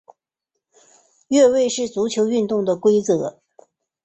越位是足球运动的规则。